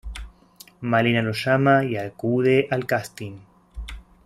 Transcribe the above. Malena lo llama y acude al casting.